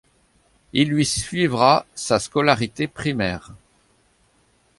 Il y suivra sa scolarité primaire.